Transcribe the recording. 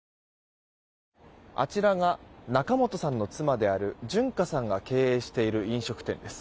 あちらが仲本さんの妻である純歌さんが経営している飲食店です。